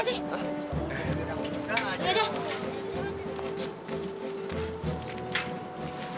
tunggu dulu sih